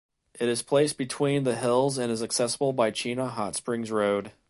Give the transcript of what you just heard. It is placed between the hills and is accessible by Chena Hot Springs Road.